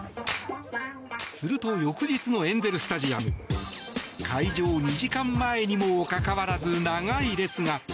すると翌日のエンゼル・スタジアム開場２時間前にもかかわらず長い列が。